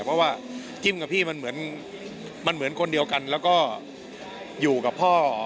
เพราะจิ้มกับพี่เหมือนคนเดียวกันและอยู่กับพ่อ